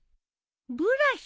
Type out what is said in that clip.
ブラシ？